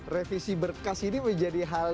revisi berkas ini menjadi hal yang menarik